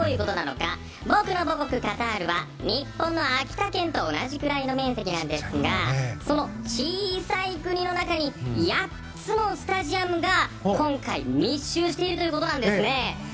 僕の母国カタールは日本の秋田県と同じくらいの面積なんですがその小さい国の中に８つのスタジアムが今回密集しているということです。